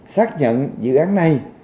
xác nhận dự án này